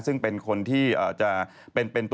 ซึ่งเป็นคนที่จะเป็นตัว